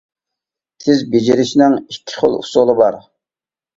تىز بېجىرىشنىڭ ئىككى خىل ئۇسۇلى بار.